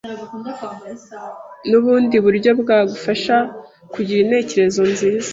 ni ubundi buryo bwagufasha kugira intekeerezo nziza.